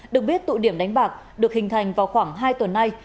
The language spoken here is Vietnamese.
được biết tụ điểm đánh bạc được hình thành vào khoảng hai tuần nay